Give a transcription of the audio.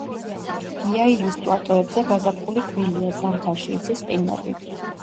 იაილის პლატოებზე ზაფხული გრილია, ზამთარში იცის ყინვები.